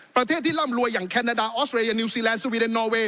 ประเทศที่ร่ำรวยอย่างแคนาดาออสเรียนิวซีแลนดสวีเดนนอเวย